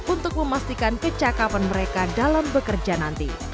untuk memastikan kecakapan mereka dalam bekerja nanti